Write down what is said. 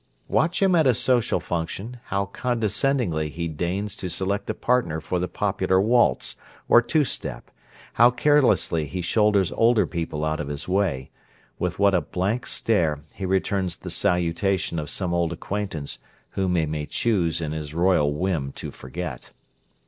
Watch him at a social function how condescendingly he deigns to select a partner for the popular waltz or two step, how carelessly he shoulders older people out of his way, with what a blank stare he returns the salutation of some old acquaintance whom he may choose in his royal whim to forget!